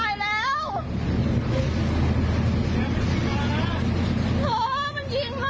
โอ้มันยิงมา